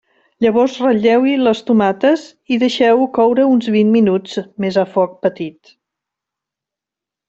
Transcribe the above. Llavors ratlleu-hi les tomates i deixeu-ho coure uns vint minuts més a foc petit.